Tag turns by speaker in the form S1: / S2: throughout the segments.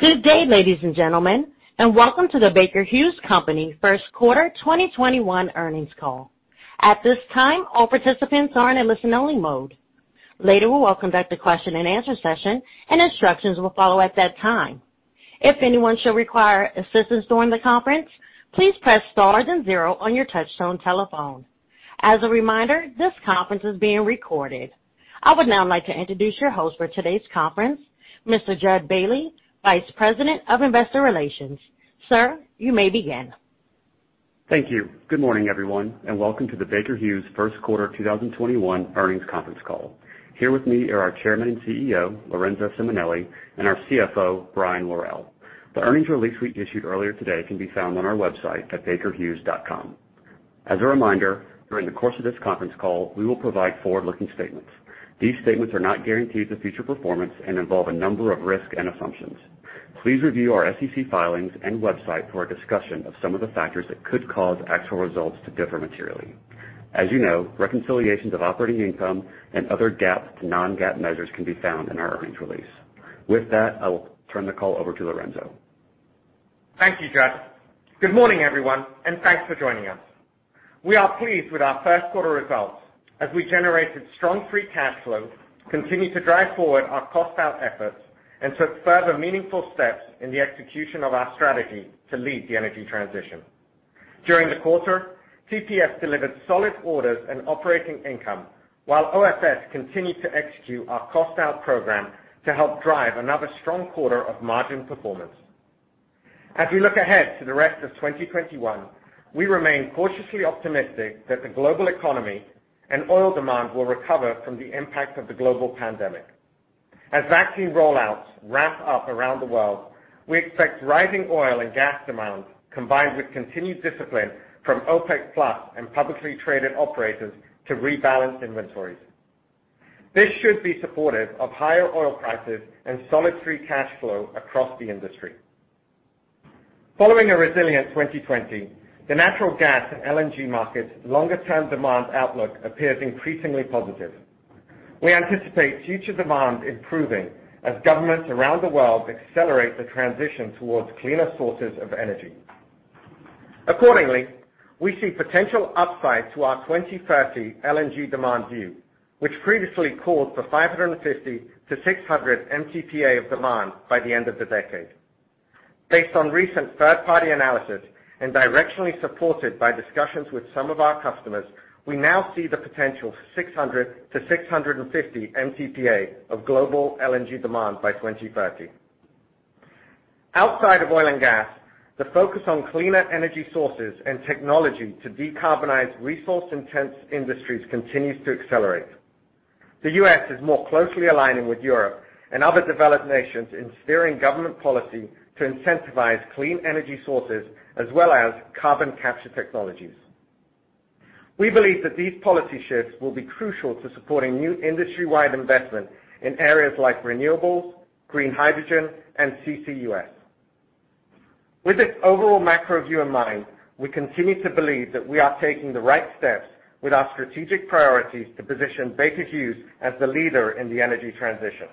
S1: Good day, ladies and gentlemen, and welcome to the Baker Hughes Company first quarter 2021 earnings call. At this time all participants are in listen-only mode. Later we will conduct the question-and-answer session and instructions will follow at that time. If anyone shall require assistance during the conference, please press star then zero on your touchtone telephone. As a reminder this conference is being recorded. I would now like to introduce your host for today's conference, Mr. Jud Bailey, Vice President of Investor Relations. Sir, you may begin.
S2: Thank you. Good morning, everyone, and welcome to the Baker Hughes first quarter 2021 earnings conference call. Here with me are our Chairman and CEO, Lorenzo Simonelli, and our CFO, Brian Worrell. The earnings release we issued earlier today can be found on our website at bakerhughes.com. As a reminder, during the course of this conference call, we will provide forward-looking statements. These statements are not guarantees of future performance and involve a number of risks and assumptions. Please review our SEC filings and website for a discussion of some of the factors that could cause actual results to differ materially. As you know, reconciliations of operating income and other GAAP to non-GAAP measures can be found in our earnings release. With that, I will turn the call over to Lorenzo.
S3: Thank you, Jud. Good morning, everyone, and thanks for joining us. We are pleased with our first quarter results as we generated strong free cash flow, continued to drive forward our cost out efforts, and took further meaningful steps in the execution of our strategy to lead the energy transition. During the quarter, TPS delivered solid orders and operating income, while OFS continued to execute our cost out program to help drive another strong quarter of margin performance. As we look ahead to the rest of 2021, we remain cautiously optimistic that the global economy and oil demand will recover from the impact of the global pandemic. As vaccine rollouts ramp up around the world, we expect rising oil and gas demand, combined with continued discipline from OPEC Plus and publicly traded operators to rebalance inventories. This should be supportive of higher oil prices and solid free cash flow across the industry. Following a resilient 2020, the natural gas and LNG market's longer-term demand outlook appears increasingly positive. We anticipate future demand improving as governments around the world accelerate the transition towards cleaner sources of energy. Accordingly, we see potential upside to our 2030 LNG demand view, which previously called for 550-600 MTPA of demand by the end of the decade. Based on recent third-party analysis and directionally supported by discussions with some of our customers, we now see the potential for 600-650 MTPA of global LNG demand by 2030. Outside of oil and gas, the focus on cleaner energy sources and technology to decarbonize resource intense industries continues to accelerate. The U.S. is more closely aligning with Europe and other developed nations in steering government policy to incentivize clean energy sources as well as carbon capture technologies. We believe that these policy shifts will be crucial to supporting new industry-wide investment in areas like renewables, green hydrogen, and CCUS. With this overall macro view in mind, we continue to believe that we are taking the right steps with our strategic priorities to position Baker Hughes as the leader in the energy transition.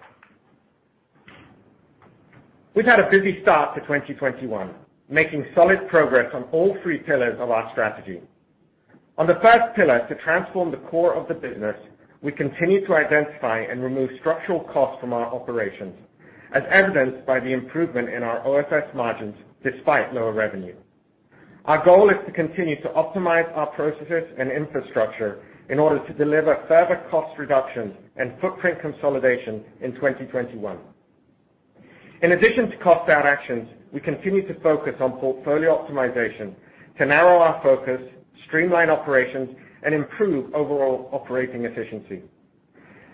S3: We've had a busy start to 2021, making solid progress on all three pillars of our strategy. On the first pillar, to transform the core of the business, we continue to identify and remove structural costs from our operations, as evidenced by the improvement in our OFS margins despite lower revenue. Our goal is to continue to optimize our processes and infrastructure in order to deliver further cost reductions and footprint consolidation in 2021. In addition to cost-out actions, we continue to focus on portfolio optimization to narrow our focus, streamline operations, and improve overall operating efficiency.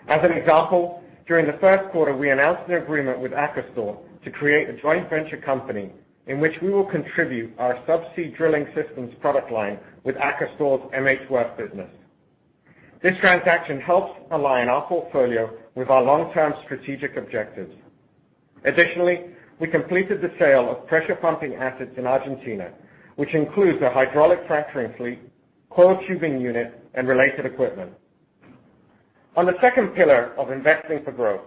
S3: As an example, during the first quarter, we announced an agreement with Akastor to create a joint venture company in which we will contribute our Subsea Drilling Systems product line with Akastor's MHWirth business. This transaction helps align our portfolio with our long-term strategic objectives. Additionally, we completed the sale of pressure pumping assets in Argentina, which includes a hydraulic fracturing fleet, coiled tubing unit, and related equipment. On the second pillar of investing for growth,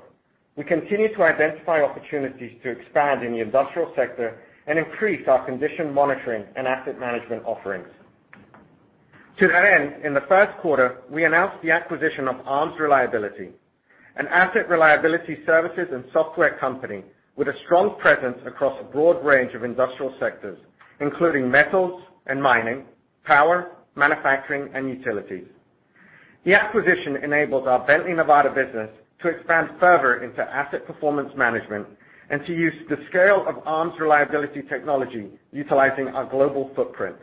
S3: we continue to identify opportunities to expand in the industrial sector and increase our condition monitoring and asset management offerings. To that end, in the first quarter, we announced the acquisition of ARMS Reliability, an asset reliability services and software company with a strong presence across a broad range of industrial sectors, including metals and mining, power, manufacturing, and utilities. The acquisition enables our Bently Nevada business to expand further into asset performance management and to use the scale of ARMS Reliability technology utilizing our global footprint.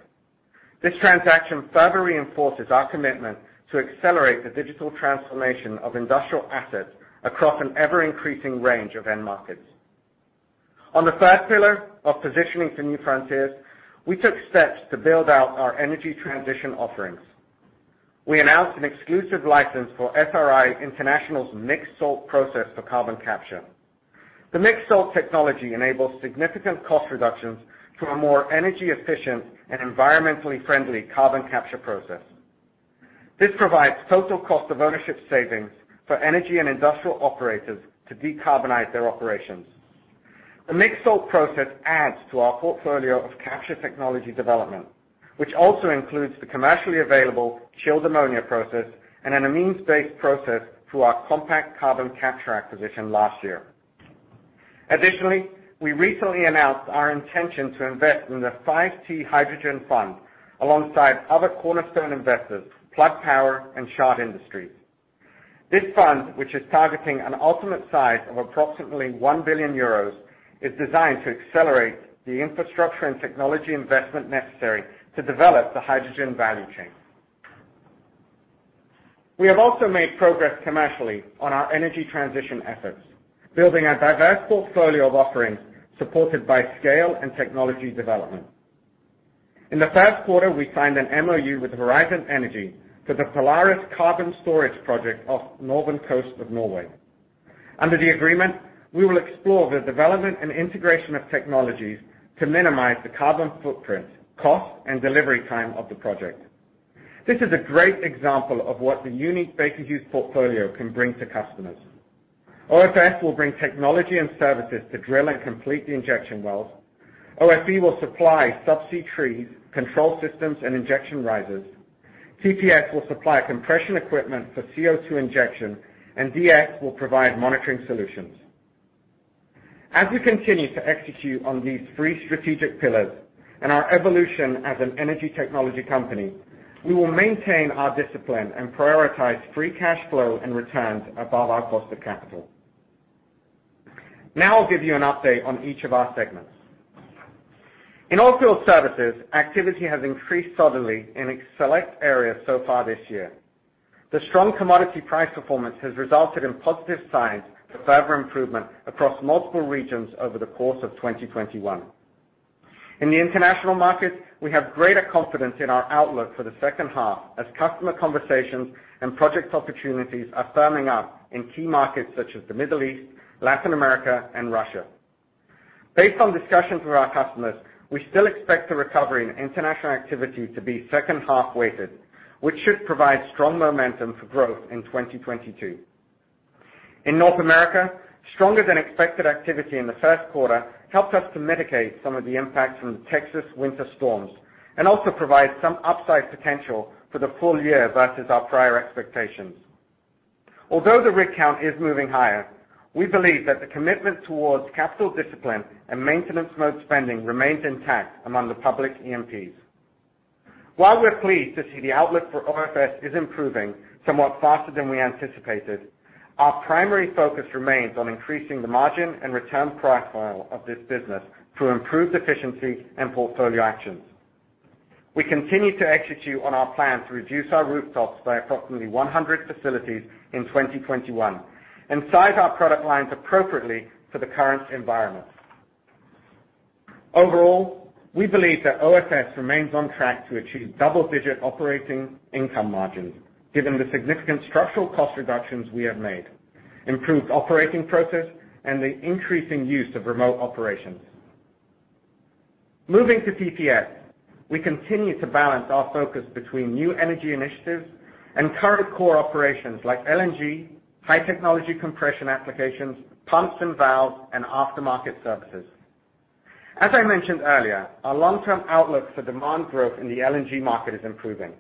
S3: This transaction further reinforces our commitment to accelerate the digital transformation of industrial assets across an ever-increasing range of end markets. On the third pillar of positioning for new frontiers, we took steps to build out our energy transition offerings. We announced an exclusive license for SRI International's Mixed-Salt Process for carbon capture. The Mixed-Salt Process enables significant cost reductions to a more energy efficient and environmentally friendly carbon capture process. This provides total cost of ownership savings for energy and industrial operators to decarbonize their operations. The Mixed-Salt Process adds to our portfolio of capture technology development, which also includes the commercially available chilled ammonia process and an amines-based process through our Compact Carbon Capture acquisition last year. Additionally, we recently announced our intention to invest in the FiveT Hydrogen Fund alongside other cornerstone investors, Plug Power and Chart Industries. This fund, which is targeting an ultimate size of approximately 1 billion euros, is designed to accelerate the infrastructure and technology investment necessary to develop the hydrogen value chain. We have also made progress commercially on our energy transition efforts, building a diverse portfolio of offerings supported by scale and technology development. In the first quarter, we signed an MOU with Horisont Energi for the Polaris carbon storage project off the northern coast of Norway. Under the agreement, we will explore the development and integration of technologies to minimize the carbon footprint, cost, and delivery time of the project. This is a great example of what the unique Baker Hughes portfolio can bring to customers. OFS will bring technology and services to drill and complete the injection wells. OFE will supply subsea trees, control systems, and injection risers. TPS will supply compression equipment for CO2 injection, and DS will provide monitoring solutions. As we continue to execute on these three strategic pillars and our evolution as an energy technology company, we will maintain our discipline and prioritize free cash flow and returns above our cost of capital. Now I'll give you an update on each of our segments. In Oilfield Services, activity has increased solidly in select areas so far this year. The strong commodity price performance has resulted in positive signs for further improvement across multiple regions over the course of 2021. In the international markets, we have greater confidence in our outlook for the second half as customer conversations and project opportunities are firming up in key markets such as the Middle East, Latin America, and Russia. Based on discussions with our customers, we still expect the recovery in international activity to be second-half weighted, which should provide strong momentum for growth in 2022. In North America, stronger than expected activity in the first quarter helped us to mitigate some of the impacts from the Texas winter storms and also provide some upside potential for the full year versus our prior expectations. Although the rig count is moving higher, we believe that the commitment towards capital discipline and maintenance mode spending remains intact among the public E&Ps. While we're pleased to see the outlook for OFS is improving somewhat faster than we anticipated, our primary focus remains on increasing the margin and return profile of this business through improved efficiency and portfolio actions. We continue to execute on our plan to reduce our rooftops by approximately 100 facilities in 2021 and size our product lines appropriately for the current environment. Overall, we believe that OFS remains on track to achieve double-digit operating income margins given the significant structural cost reductions we have made, improved operating process, and the increasing use of remote operations. Moving to TPS, we continue to balance our focus between new energy initiatives and current core operations like LNG, high-technology compression applications, pumps and valves, and aftermarket services. As I mentioned earlier, our long-term outlook for demand growth in the LNG market is improving.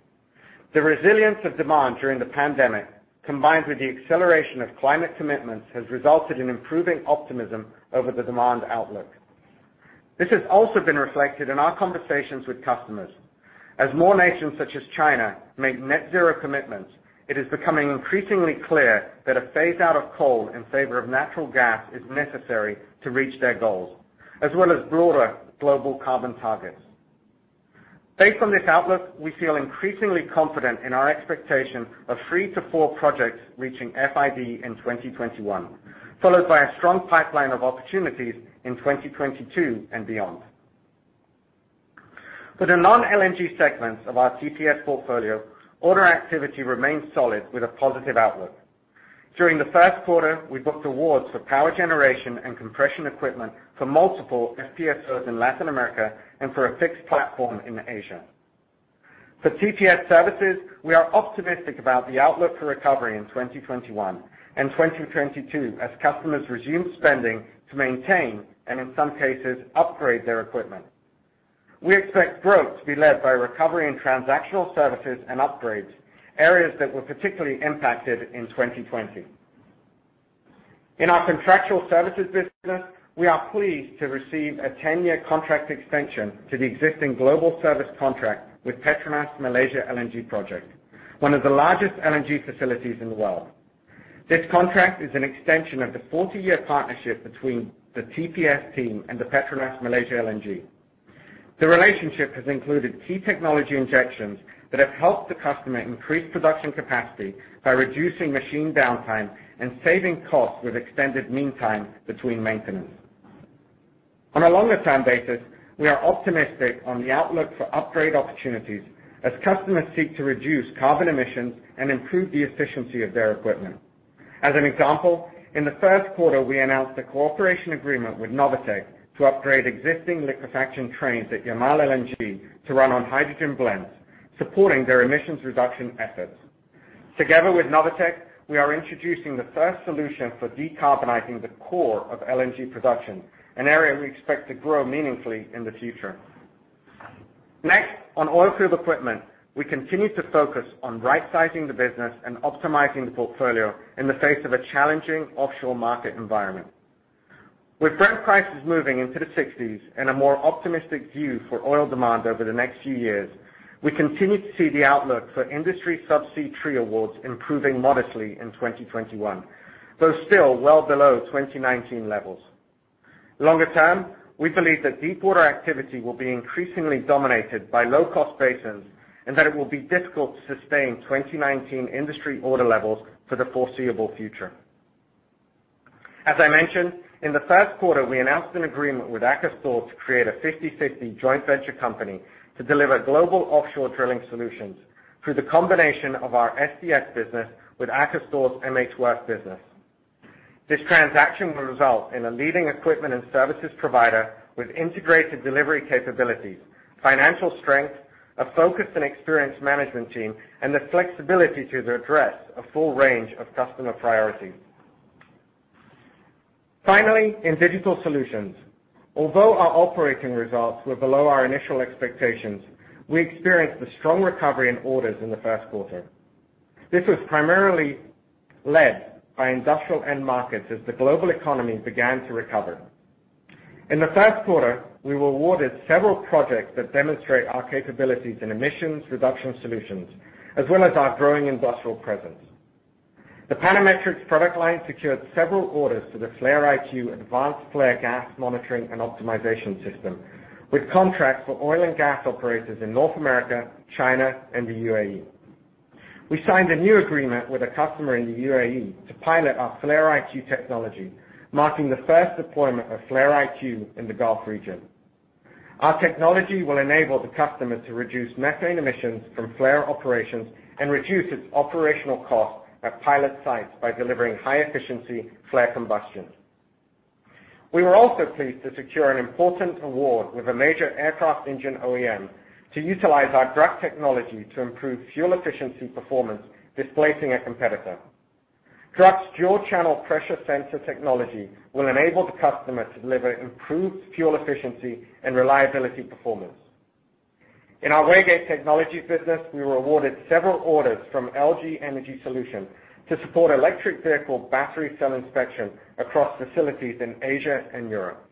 S3: The resilience of demand during the pandemic, combined with the acceleration of climate commitments, has resulted in improving optimism over the demand outlook. This has also been reflected in our conversations with customers. As more nations such as China make net zero commitments, it is becoming increasingly clear that a phase-out of coal in favor of natural gas is necessary to reach their goals, as well as broader global carbon targets. Based on this outlook, we feel increasingly confident in our expectation of three-four projects reaching FID in 2021, followed by a strong pipeline of opportunities in 2022 and beyond. For the non-LNG segments of our TPS portfolio, order activity remains solid with a positive outlook. During the first quarter, we booked awards for power generation and compression equipment for multiple FPSOs in Latin America and for a fixed platform in Asia. For TPS services, we are optimistic about the outlook for recovery in 2021 and 2022 as customers resume spending to maintain and, in some cases, upgrade their equipment. We expect growth to be led by recovery in transactional services and upgrades, areas that were particularly impacted in 2020. In our contractual services business, we are pleased to receive a 10-year contract extension to the existing global service contract with PETRONAS Malaysia LNG Project, one of the largest LNG facilities in the world. This contract is an extension of the 40-year partnership between the TPS team and the PETRONAS Malaysia LNG. The relationship has included key technology injections that have helped the customer increase production capacity by reducing machine downtime and saving costs with extended mean-time between maintenance. On a longer-term basis, we are optimistic on the outlook for upgrade opportunities as customers seek to reduce carbon emissions and improve the efficiency of their equipment. As an example, in the first quarter, we announced a cooperation agreement with NOVATEK to upgrade existing liquefaction trains at Yamal LNG to run on hydrogen blends, supporting their emissions reduction efforts. Together with NOVATEK, we are introducing the first solution for decarbonizing the core of LNG production, an area we expect to grow meaningfully in the future. Next, on oil field equipment, we continue to focus on right-sizing the business and optimizing the portfolio in the face of a challenging offshore market environment. With Brent prices moving into the 60s and a more optimistic view for oil demand over the next few years, we continue to see the outlook for industry subsea tree awards improving modestly in 2021, though still well below 2019 levels. Longer term, we believe that deepwater activity will be increasingly dominated by low-cost basins, and that it will be difficult to sustain 2019 industry order levels for the foreseeable future. As I mentioned, in the first quarter, we announced an agreement with Akastor to create a 50/50 joint venture company to deliver global offshore drilling solutions through the combination of our SDS business with Akastor's MHWirth business. This transaction will result in a leading equipment and services provider with integrated delivery capabilities, financial strength, a focused and experienced management team, and the flexibility to address a full range of customer priorities. Finally, in digital solutions, although our operating results were below our initial expectations, we experienced a strong recovery in orders in the first quarter. This was primarily led by industrial end markets as the global economy began to recover. In the first quarter, we were awarded several projects that demonstrate our capabilities in emissions reduction solutions, as well as our growing industrial presence. The Panametrics product line secured several orders for the flare. IQ advanced flare gas monitoring and optimization system, with contracts for oil and gas operators in North America, China, and the UAE. We signed a new agreement with a customer in the UAE to pilot our flare. IQ technology, marking the first deployment of flare. IQ in the Gulf region. Our technology will enable the customer to reduce methane emissions from flare operations and reduce its operational costs at pilot sites by delivering high-efficiency flare combustion. We were also pleased to secure an important award with a major aircraft engine OEM to utilize our Druck technology to improve fuel efficiency performance, displacing a competitor. Druck's dual-channel pressure sensor technology will enable the customer to deliver improved fuel efficiency and reliability performance. In our Waygate Technologies business, we were awarded several orders from LG Energy Solution to support electric vehicle battery cell inspection across facilities in Asia and Europe.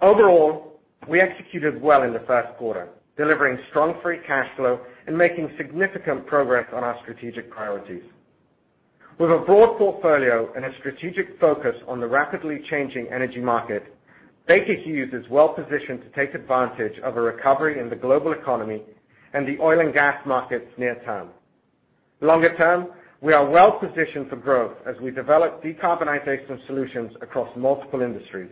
S3: Overall, we executed well in the first quarter, delivering strong free cash flow and making significant progress on our strategic priorities. With a broad portfolio and a strategic focus on the rapidly changing energy market, Baker Hughes is well-positioned to take advantage of a recovery in the global economy and the oil and gas markets near term. Longer term, we are well positioned for growth as we develop decarbonization solutions across multiple industries.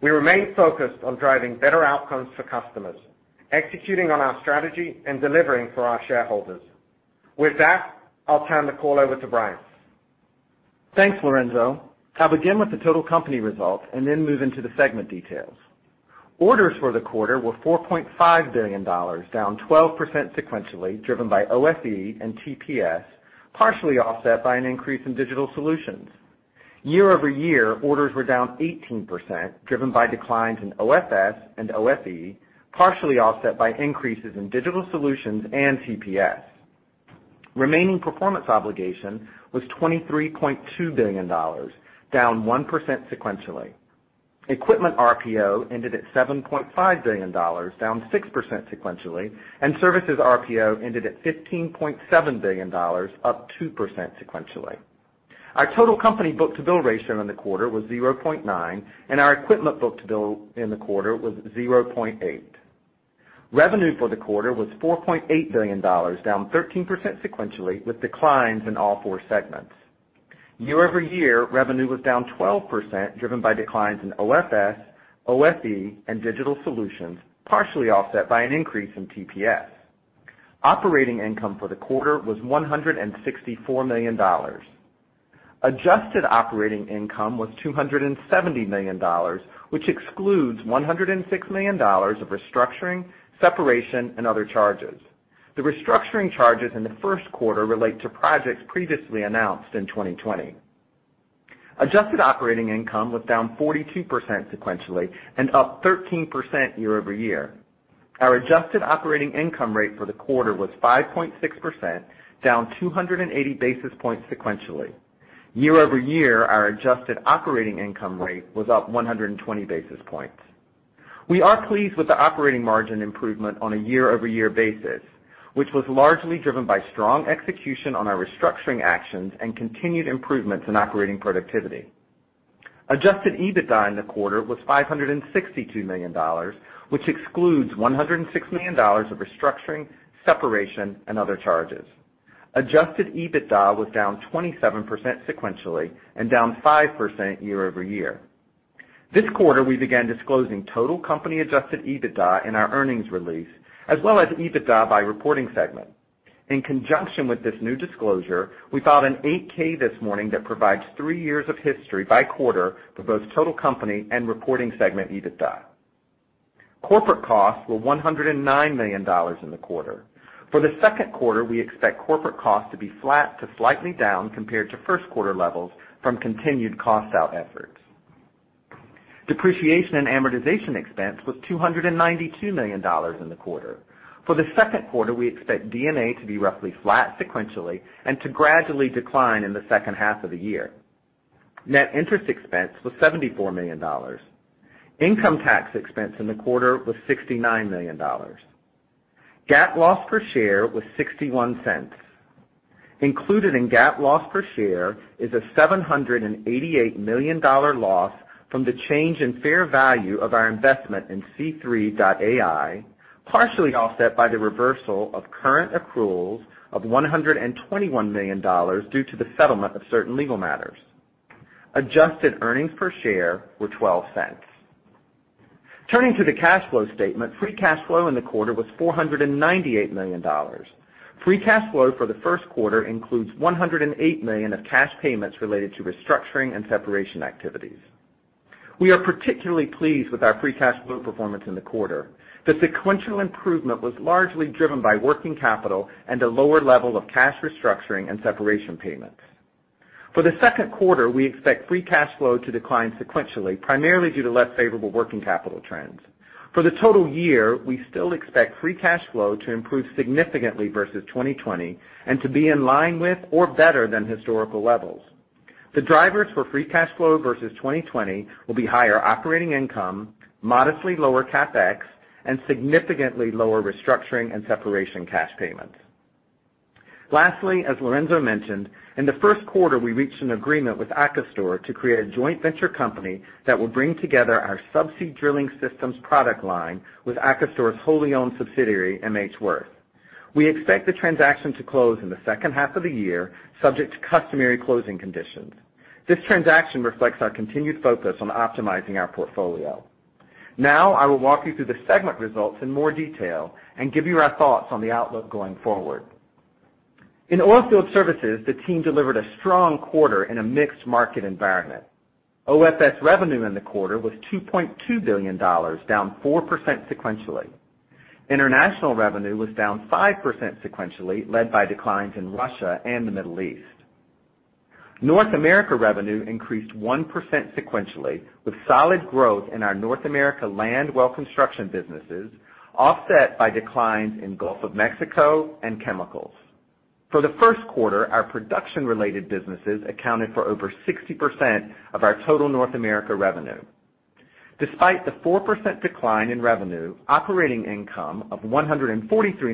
S3: We remain focused on driving better outcomes for customers, executing on our strategy, and delivering for our shareholders. With that, I'll turn the call over to Brian.
S4: Thanks, Lorenzo. I'll begin with the total company results and then move into the segment details. Orders for the quarter were $4.5 billion, down 12% sequentially, driven by OFE and TPS, partially offset by an increase in digital solutions. year-over-year, orders were down 18%, driven by declines in OFS and OFE, partially offset by increases in digital solutions and TPS. Remaining performance obligation was $23.2 billion, down 1% sequentially. Equipment RPO ended at $7.5 billion, down 6% sequentially, and services RPO ended at $15.7 billion, up 2% sequentially. Our total company book-to-bill ratio in the quarter was 0.9, and our equipment book-to-bill in the quarter was 0.8. Revenue for the quarter was $4.8 billion, down 13% sequentially, with declines in all four segments. year-over-year, revenue was down 12%, driven by declines in OFS, OFE, and digital solutions, partially offset by an increase in TPS. Operating income for the quarter was $164 million. Adjusted operating income was $270 million, which excludes $106 million of restructuring, separation, and other charges. The restructuring charges in the first quarter relate to projects previously announced in 2020. Adjusted operating income was down 42% sequentially and up 13% year-over-year. Our adjusted operating income rate for the quarter was 5.6%, down 280 basis points sequentially. Year-over-year, our adjusted operating income rate was up 120 basis points. We are pleased with the operating margin improvement on a year-over-year basis, which was largely driven by strong execution on our restructuring actions and continued improvements in operating productivity. Adjusted EBITDA in the quarter was $562 million, which excludes $106 million of restructuring, separation, and other charges. Adjusted EBITDA was down 27% sequentially and down 5% year-over-year. This quarter, we began disclosing total company adjusted EBITDA in our earnings release, as well as EBITDA by reporting segment. In conjunction with this new disclosure, we filed an 8-K this morning that provides three years of history by quarter for both total company and reporting segment EBITDA. Corporate costs were $109 million in the quarter. For the second quarter, we expect corporate costs to be flat to slightly down compared to first quarter levels from continued cost-out efforts. Depreciation and amortization expense was $292 million in the quarter. For the second quarter, we expect D&A to be roughly flat sequentially and to gradually decline in the second half of the year. Net interest expense was $74 million. Income tax expense in the quarter was $69 million. GAAP loss per share was $0.61. Included in GAAP loss per share is a $788 million loss from the change in fair value of our investment in C3.ai, partially offset by the reversal of current accruals of $121 million due to the settlement of certain legal matters. Adjusted earnings per share were $0.12. Turning to the cash flow statement, free cash flow in the quarter was $498 million. Free cash flow for the first quarter includes $108 million of cash payments related to restructuring and separation activities. We are particularly pleased with our free cash flow performance in the quarter. The sequential improvement was largely driven by working capital and a lower level of cash restructuring and separation payments. For the second quarter, we expect free cash flow to decline sequentially, primarily due to less favorable working capital trends. For the total year, we still expect free cash flow to improve significantly versus 2020 and to be in line with or better than historical levels. The drivers for free cash flow versus 2020 will be higher operating income, modestly lower CapEx, and significantly lower restructuring and separation cash payments. Lastly, as Lorenzo mentioned, in the first quarter, we reached an agreement with Akastor to create a joint venture company that will bring together our Subsea Drilling Systems product line with Akastor's wholly owned subsidiary, MHWirth. We expect the transaction to close in the second half of the year, subject to customary closing conditions. This transaction reflects our continued focus on optimizing our portfolio. I will walk you through the segment results in more detail and give you our thoughts on the outlook going forward. In Oilfield Services, the team delivered a strong quarter in a mixed market environment. OFS revenue in the quarter was $2.2 billion, down 4% sequentially. International revenue was down 5% sequentially, led by declines in Russia and the Middle East. North America revenue increased 1% sequentially, with solid growth in our North America land well construction businesses, offset by declines in Gulf of Mexico and chemicals. For the first quarter, our production-related businesses accounted for over 60% of our total North America revenue. Despite the 4% decline in revenue, operating income of $143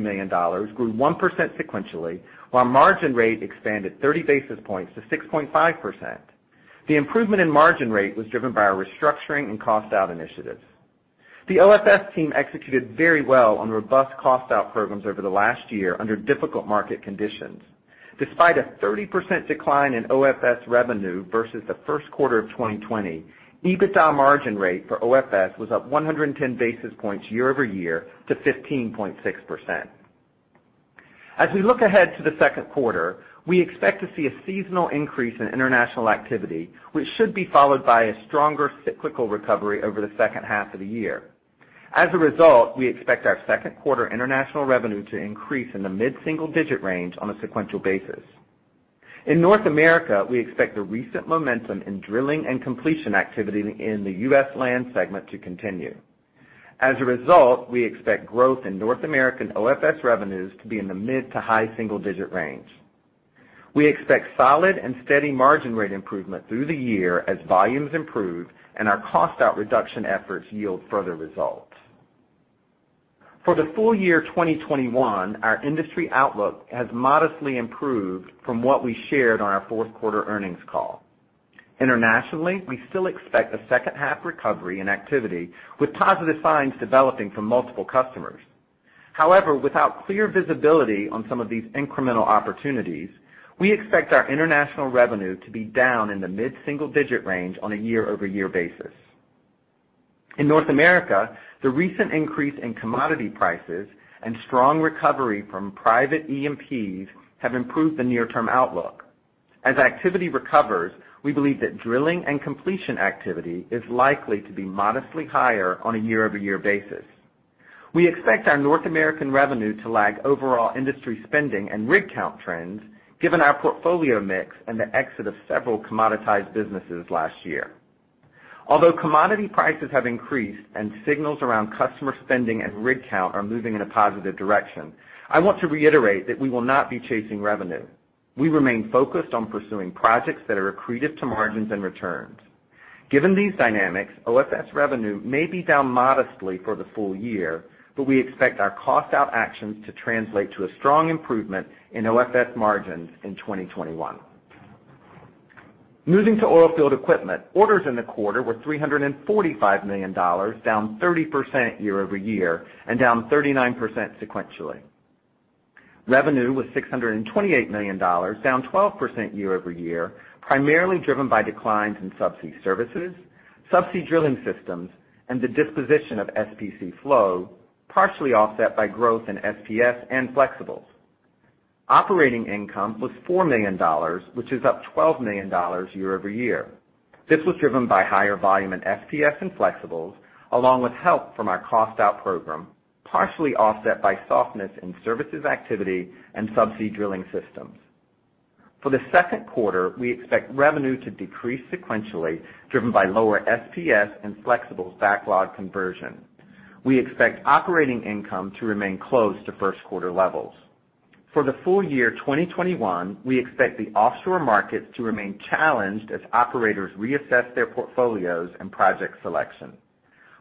S4: million grew 1% sequentially, while margin rate expanded 30 basis points to 6.5%. The improvement in margin rate was driven by our restructuring and cost-out initiatives. The OFS team executed very well on robust cost-out programs over the last year under difficult market conditions. Despite a 30% decline in OFS revenue versus the first quarter of 2020, EBITDA margin rate for OFS was up 110 basis points year-over-year to 15.6%. As we look ahead to the second quarter, we expect to see a seasonal increase in international activity, which should be followed by a stronger cyclical recovery over the second half of the year. As a result, we expect our second quarter international revenue to increase in the mid-single digit range on a sequential basis. In North America, we expect the recent momentum in drilling and completion activity in the U.S. land segment to continue. As a result, we expect growth in North American OFS revenues to be in the mid to high single digit range. We expect solid and steady margin rate improvement through the year as volumes improve and our cost-out reduction efforts yield further results. For the full year 2021, our industry outlook has modestly improved from what we shared on our fourth quarter earnings call. Internationally, we still expect a second half recovery in activity with positive signs developing from multiple customers. However, without clear visibility on some of these incremental opportunities, we expect our international revenue to be down in the mid-single digit range on a year-over-year basis. In North America, the recent increase in commodity prices and strong recovery from private E&Ps have improved the near-term outlook. As activity recovers, we believe that drilling and completion activity is likely to be modestly higher on a year-over-year basis. We expect our North American revenue to lag overall industry spending and rig count trends, given our portfolio mix and the exit of several commoditized businesses last year. Although commodity prices have increased and signals around customer spending and rig count are moving in a positive direction, I want to reiterate that we will not be chasing revenue. We remain focused on pursuing projects that are accretive to margins and returns. Given these dynamics, OFS revenue may be down modestly for the full year, but we expect our cost-out actions to translate to a strong improvement in OFS margins in 2021. Moving to Oilfield Equipment, orders in the quarter were $345 million, down 30% year-over-year and down 39% sequentially. Revenue was $628 million, down 12% year-over-year, primarily driven by declines in subsea services, Subsea Drilling Systems, and the disposition of SPC Flow, partially offset by growth in SPS and flexibles. Operating income was $4 million, which is up $12 million year-over-year. This was driven by higher volume in SPS and flexibles, along with help from our cost out program, partially offset by softness in services activity and Subsea Drilling Systems. For the second quarter, we expect revenue to decrease sequentially, driven by lower SPS and flexibles backlog conversion. We expect operating income to remain close to first quarter levels. For the full year 2021, we expect the offshore markets to remain challenged as operators reassess their portfolios and project selection.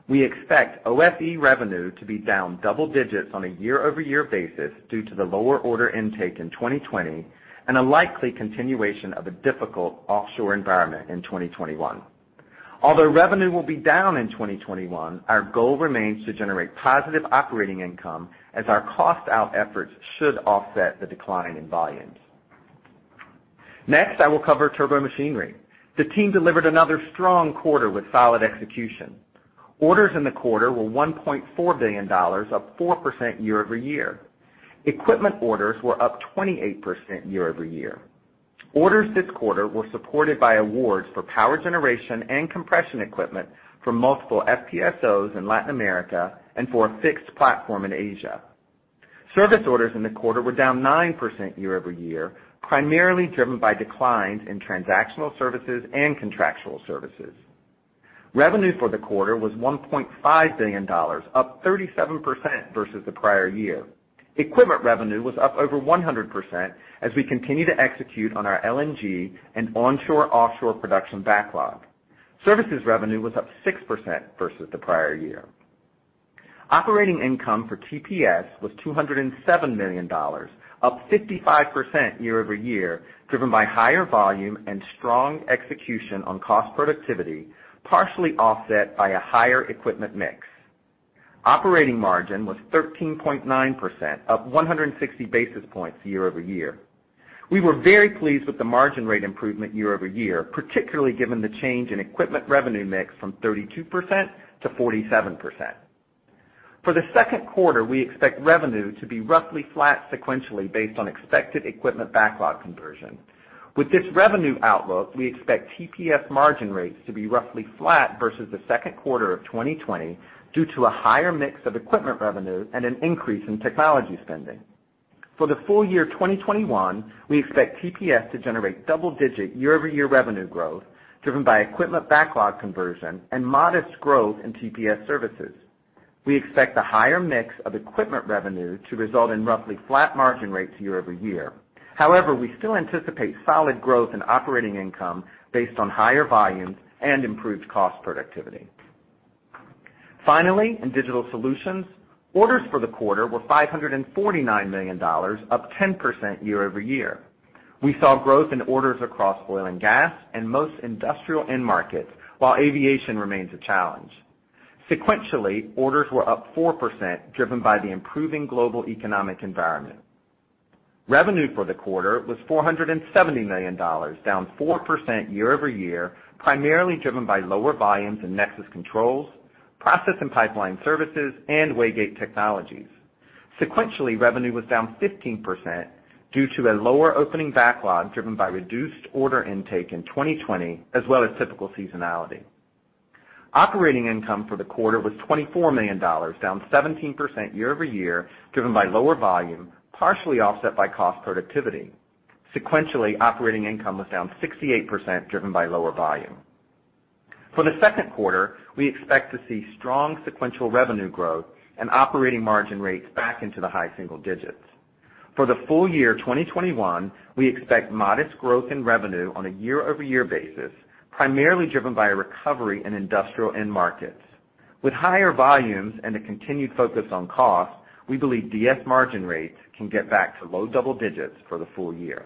S4: We expect OFE revenue to be down double digits on a year-over-year basis due to the lower order intake in 2020 and a likely continuation of a difficult offshore environment in 2021. Although revenue will be down in 2021, our goal remains to generate positive operating income as our cost out efforts should offset the decline in volumes. Next, I will cover Turbomachinery. The team delivered another strong quarter with solid execution. Orders in the quarter were $1.4 billion, up 4% year-over-year. Equipment orders were up 28% year-over-year. Orders this quarter were supported by awards for power generation and compression equipment for multiple FPSOs in Latin America and for a fixed platform in Asia. Service orders in the quarter were down 9% year-over-year, primarily driven by declines in transactional services and contractual services. Revenue for the quarter was $1.5 billion, up 37% versus the prior year. Equipment revenue was up over 100% as we continue to execute on our LNG and onshore-offshore production backlog. Services revenue was up 6% versus the prior year. Operating income for TPS was $207 million, up 55% year-over-year, driven by higher volume and strong execution on cost productivity, partially offset by a higher equipment mix. Operating margin was 13.9%, up 160 basis points year-over-year. We were very pleased with the margin rate improvement year-over-year, particularly given the change in equipment revenue mix from 32% to 47%. For the second quarter, we expect revenue to be roughly flat sequentially based on expected equipment backlog conversion. With this revenue outlook, we expect TPS margin rates to be roughly flat versus the second quarter of 2020 due to a higher mix of equipment revenue and an increase in technology spending. For the full year 2021, we expect TPS to generate double-digit year-over-year revenue growth driven by equipment backlog conversion and modest growth in TPS services. We expect the higher mix of equipment revenue to result in roughly flat margin rates year-over-year. However, we still anticipate solid growth in operating income based on higher volumes and improved cost productivity. Finally, in Digital Solutions, orders for the quarter were $549 million, up 10% year-over-year. We saw growth in orders across oil and gas and most industrial end markets, while aviation remains a challenge. Sequentially, orders were up 4%, driven by the improving global economic environment. Revenue for the quarter was $470 million, down 4% year-over-year, primarily driven by lower volumes in Nexus Controls, process and pipeline services, and Waygate Technologies. Sequentially, revenue was down 15% due to a lower opening backlog driven by reduced order intake in 2020 as well as typical seasonality. Operating income for the quarter was $24 million, down 17% year-over-year, driven by lower volume, partially offset by cost productivity. Sequentially, operating income was down 68%, driven by lower volume. For the second quarter, we expect to see strong sequential revenue growth and operating margin rates back into the high single digits. For the full year 2021, we expect modest growth in revenue on a year-over-year basis, primarily driven by a recovery in industrial end markets. With higher volumes and a continued focus on cost, we believe DS margin rates can get back to low double digits for the full year.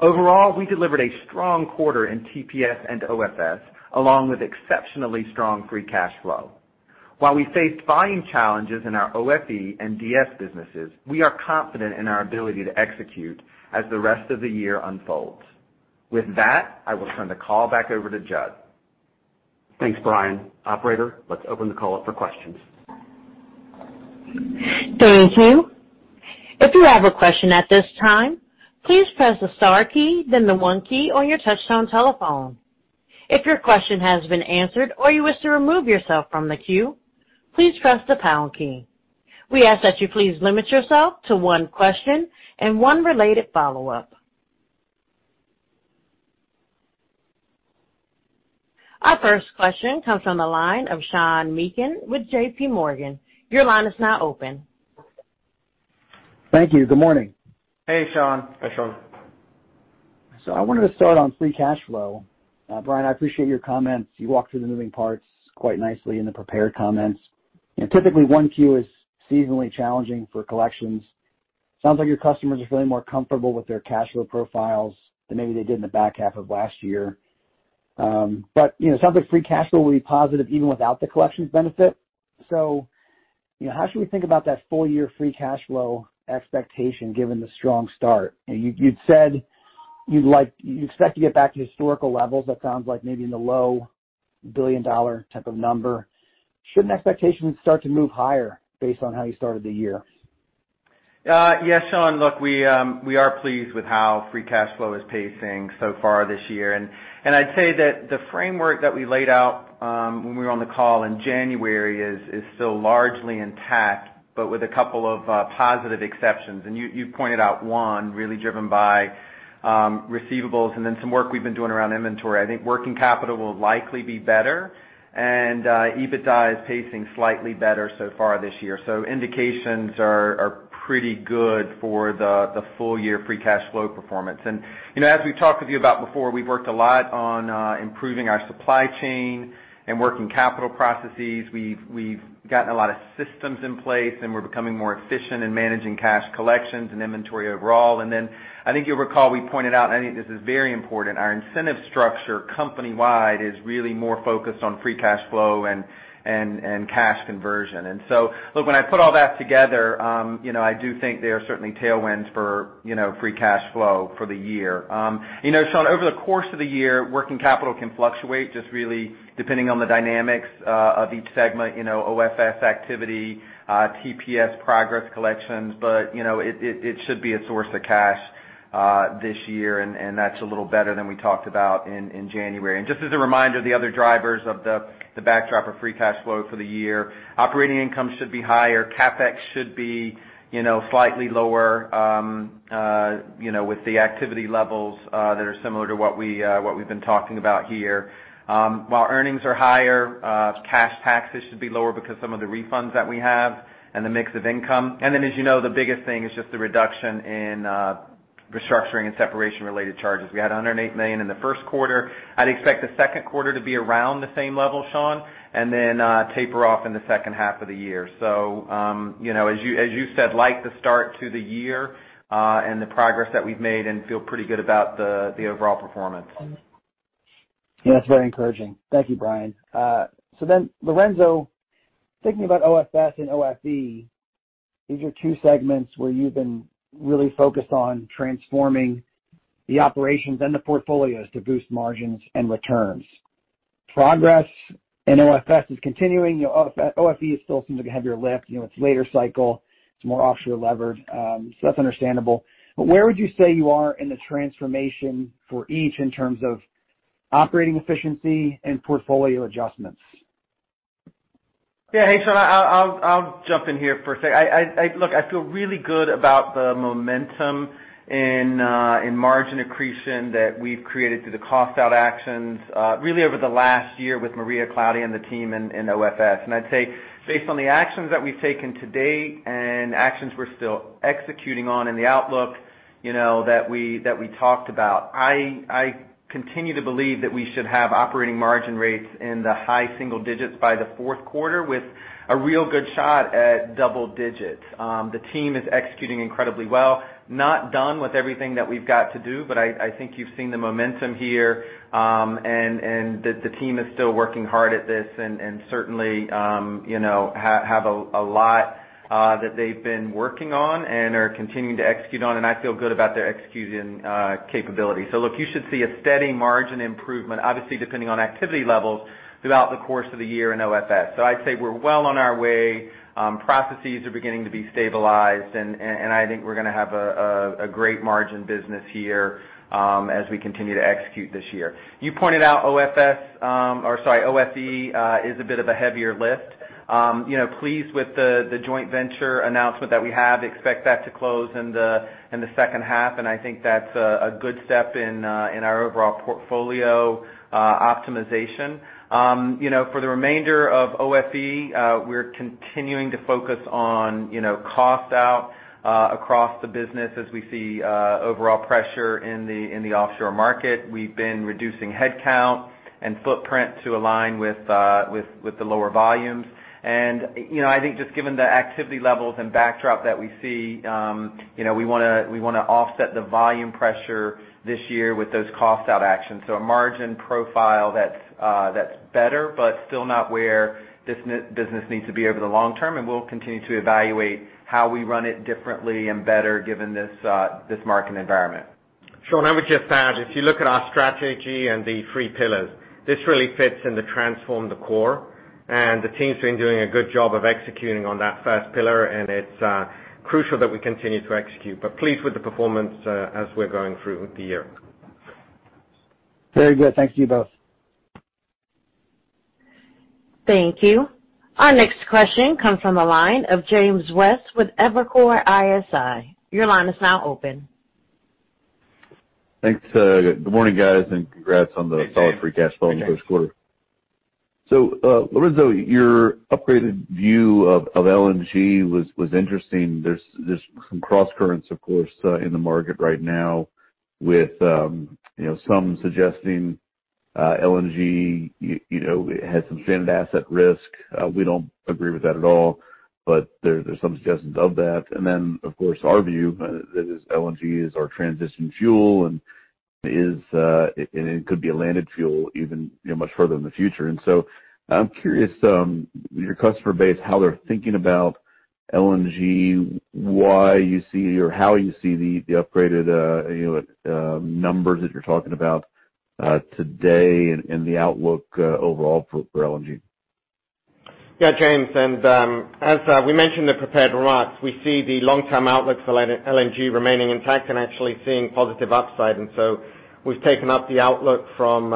S4: Overall, we delivered a strong quarter in TPS and OFS, along with exceptionally strong free cash flow. While we faced volume challenges in our OFE and DS businesses, we are confident in our ability to execute as the rest of the year unfolds. With that, I will turn the call back over to Jud.
S2: Thanks, Brian. Operator, let's open the call up for questions.
S1: Thank you. If you have a question at this time, please press the star key, then the one key on your touch-tone telephone. If your question has been answered or you wish to remove yourself from the queue, please press the pound key. We ask that you please limit yourself to one question and one related follow-up. Our first question comes from the line of Sean Meakim with JPMorgan. Your line is now open.
S5: Thank you. Good morning.
S4: Hey, Sean.
S2: Hi, Sean.
S5: I wanted to start on free cash flow. Brian, I appreciate your comments. You walked through the moving parts quite nicely in the prepared comments, and typically, 1Q is seasonally challenging for collections. Sounds like your customers are feeling more comfortable with their cash flow profiles than maybe they did in the back half of last year. But it sounds like free cash flow will be positive even without the collections benefit. How should we think about that full-year free cash flow expectation given the strong start? You'd said you expect to get back to historical levels. That sounds like maybe in the low billion-dollar type of number. Should expectations start to move higher based on how you started the year?
S4: Sean, look, we are pleased with how free cash flow is pacing so far this year. I'd say that the framework that we laid out when we were on the call in January is still largely intact, but with a couple of positive exceptions. You pointed out one really driven by receivables and then some work we've been doing around inventory. I think working capital will likely be better, and EBITDA is pacing slightly better so far this year. Indications are pretty good for the full-year free cash flow performance. As we've talked with you about before, we've worked a lot on improving our supply chain and working capital processes. We've gotten a lot of systems in place, and we're becoming more efficient in managing cash collections and inventory overall. Then I think you'll recall, we pointed out, and I think this is very important, our incentive structure company-wide is really more focused on free cash flow and cash conversion. When I put all that together, I do think there are certainly tailwinds for free cash flow for the year. Sean, over the course of the year, working capital can fluctuate just really depending on the dynamics of each segment, OFS activity, TPS progress collections. It should be a source of cash this year, and that's a little better than we talked about in January. Just as a reminder, the other drivers of the backdrop of free cash flow for the year, operating income should be higher. CapEx should be slightly lower with the activity levels that are similar to what we've been talking about here. While earnings are higher, cash taxes should be lower because some of the refunds that we have and the mix of income. As you know, the biggest thing is just the reduction in restructuring and separation-related charges. We had $108 million in the first quarter. I'd expect the second quarter to be around the same level, Sean, and then taper off in the second half of the year. As you said, like the start to the year, and the progress that we've made and feel pretty good about the overall performance.
S5: Yeah. That's very encouraging. Thank you, Brian. Lorenzo, thinking about OFS and OFE, these are two segments where you've been really focused on transforming the operations and the portfolios to boost margins and returns. Progress in OFS is continuing. OFE still seems like a heavier lift. It's later cycle. It's more offshore levered. That's understandable. But where would you say you are in the transformation for each in terms of operating efficiency and portfolio adjustments?
S4: Hey, Sean, I'll jump in here for a sec. I feel really good about the momentum in margin accretion that we've created through the cost-out actions really over the last year with Maria Claudia and the team in OFS. I'd say based on the actions that we've taken to date and actions we're still executing on and the outlook that we talked about, I continue to believe that we should have operating margin rates in the high single digits by the fourth quarter with a real good shot at double digits. The team is executing incredibly well. Not done with everything that we've got to do, I think you've seen the momentum here, the team is still working hard at this and certainly have a lot that they've been working on and are continuing to execute on, and I feel good about their execution capability. Look, you should see a steady margin improvement, obviously depending on activity levels throughout the course of the year in OFS. I'd say we're well on our way. Processes are beginning to be stabilized, and I think we're going to have a great margin business here as we continue to execute this year. You pointed out OFE is a bit of a heavier lift. Pleased with the joint venture announcement that we have. Expect that to close in the second half, and I think that's a good step in our overall portfolio optimization. For the remainder of OFE, we're continuing to focus on cost out across the business as we see overall pressure in the offshore market. We've been reducing headcount and footprint to align with the lower volumes. I think just given the activity levels and backdrop that we see, we want to offset the volume pressure this year with those cost-out actions. A margin profile that's better, but still not where this business needs to be over the long term, and we'll continue to evaluate how we run it differently and better given this market environment.
S3: Sean, I would just add, if you look at our strategy and the three pillars, this really fits in the Transform the Core. The team's been doing a good job of executing on that first pillar. It's crucial that we continue to execute. Pleased with the performance as we're going through the year.
S5: Very good. Thank you both.
S1: Thank you. Our next question comes from the line of James West with Evercore ISI. Your line is now open.
S6: Thanks. Good morning, guys, and congrats on the-
S4: Hey, James.
S6: Solid free cash flow in the first quarter. Lorenzo, your upgraded view of LNG was interesting. There's some crosscurrents, of course, in the market right now with some suggesting LNG has some stranded asset risk. We don't agree with that at all. There's some suggestions of that. Then, of course, our view is LNG is our transition fuel and it could be a landed fuel even much further in the future. I'm curious, your customer base, how they're thinking about LNG, why you see or how you see the upgraded numbers that you're talking about today and the outlook overall for LNG.
S3: Yeah, James, as we mentioned in the prepared remarks, we see the long-term outlook for LNG remaining intact and actually seeing positive upside. So we've taken up the outlook from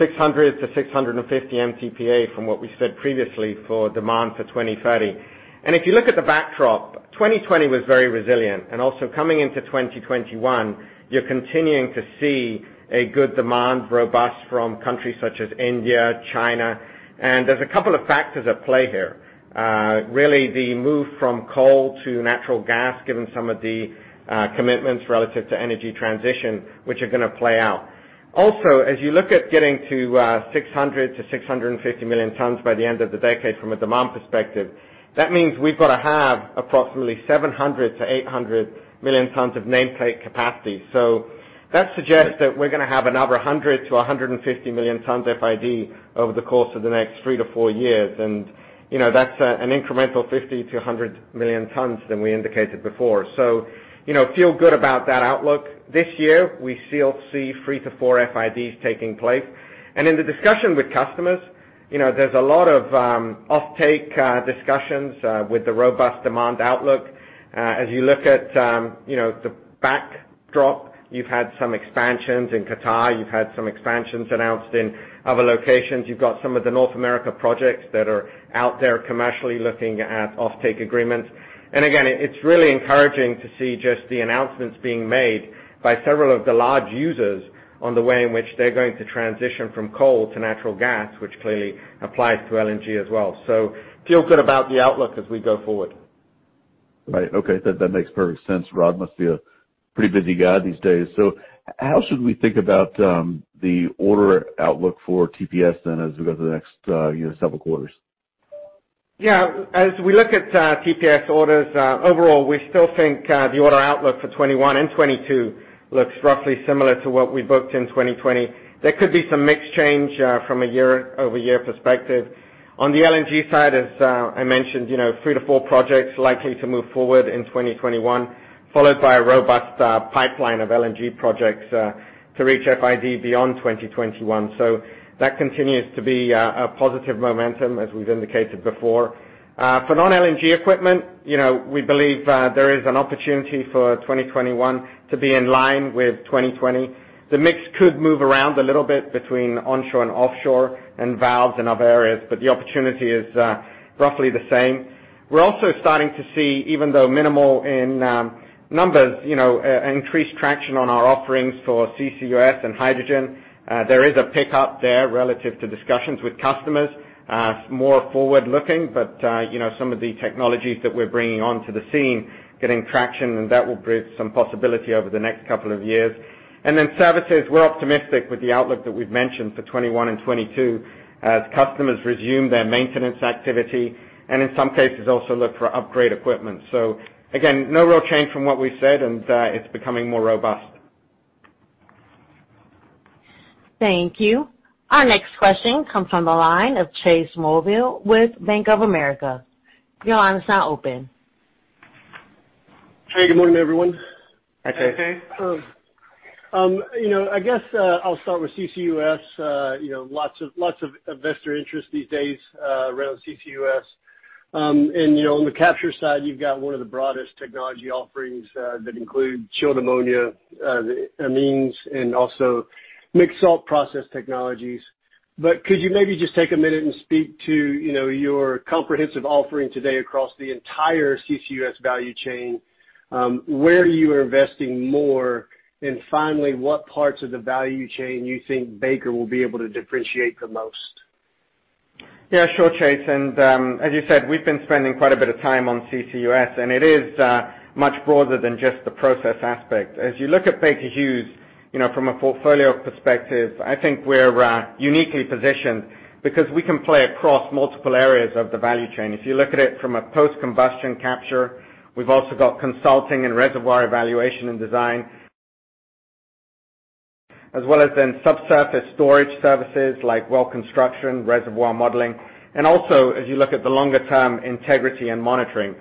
S3: 600-650 MTPA from what we said previously for demand for 2030. If you look at the backdrop, 2020 was very resilient. Also coming into 2021, you're continuing to see a good demand, robust from countries such as India, China. There's a couple of factors at play here. Really, the move from coal to natural gas, given some of the commitments relative to energy transition, which are going to play out. Also, as you look at getting to 600 million-650 million tons by the end of the decade from a demand perspective, that means we've got to have approximately 700 million-800 million tons of nameplate capacity. That suggests that we're going to have another 100 million-150 million tons FID over the course of the next three-four years. That's an incremental 50 million-100 million tons than we indicated before. Feel good about that outlook. This year, we still see three-four FIDs taking place. In the discussion with customers, there's a lot of off take discussions with the robust demand outlook. As you look at the backdrop, you've had some expansions in Qatar, you've had some expansions announced in other locations. You've got some of the North America projects that are out there commercially looking at off take agreements. Again, it's really encouraging to see just the announcements being made by several of the large users on the way in which they're going to transition from coal to natural gas, which clearly applies to LNG as well. Feel good about the outlook as we go forward.
S6: Right. Okay. That makes perfect sense. Rod must be a pretty busy guy these days. How should we think about the order outlook for TPS as we go to the next several quarters?
S3: As we look at TPS orders, overall, we still think the order outlook for 2021 and 2022 looks roughly similar to what we booked in 2020. There could be some mix change from a year-over-year perspective. On the LNG side, as I mentioned, three to four projects likely to move forward in 2021, followed by a robust pipeline of LNG projects to reach FID beyond 2021. That continues to be a positive momentum as we've indicated before. For non-LNG equipment, we believe there is an opportunity for 2021 to be in line with 2020. The mix could move around a little bit between onshore and offshore and valves and other areas, but the opportunity is roughly the same. We're also starting to see, even though minimal in numbers, increased traction on our offerings for CCUS and hydrogen. There is a pickup there relative to discussions with customers, more forward-looking, but some of the technologies that we're bringing onto the scene getting traction, and that will bring some possibility over the next couple of years. Services, we're optimistic with the outlook that we've mentioned for 2021 and 2022 as customers resume their maintenance activity, and in some cases, also look for upgrade equipment. Again, no real change from what we said, and it's becoming more robust.
S1: Thank you. Our next question comes from the line of Chase Mulvehill with Bank of America. Your line is now open.
S7: Hey, good morning, everyone.
S3: Hi, Chase.
S7: I guess I'll start with CCUS. Lots of investor interest these days around CCUS. On the capture side, you've got one of the broadest technology offerings that include chilled ammonia, amines, and also Mixed-Salt Process technologies. Could you maybe just take a minute and speak to your comprehensive offering today across the entire CCUS value chain? Where are you investing more? Finally, what parts of the value chain you think Baker will be able to differentiate the most?
S3: Yeah, sure, Chase. As you said, we've been spending quite a bit of time on CCUS, and it is much broader than just the process aspect. As you look at Baker Hughes from a portfolio perspective, I think we're uniquely positioned because we can play across multiple areas of the value chain. If you look at it from a post-combustion capture, we've also got consulting and reservoir evaluation and design, as well as in subsurface storage services like well construction, reservoir modeling, and also, as you look at the longer term, integrity and monitoring.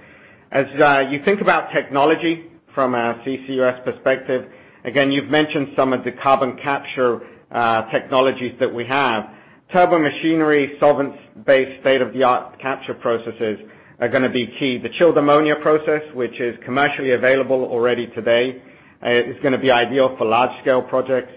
S3: As you think about technology from a CCUS perspective, again, you've mentioned some of the carbon capture technologies that we have. Turbo machinery, solvents-based state-of-the-art capture processes are going to be key. The chilled ammonia process, which is commercially available already today, is going to be ideal for large scale projects.